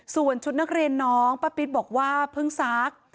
ส่วนชุดนักเรียนน้องป้าปิ๊ดบอกว่าเพิ่งซัก